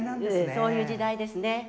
そういう時代ですね。